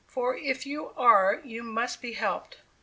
for if you are you must be helped."